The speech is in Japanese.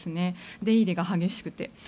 出入りが激しくて。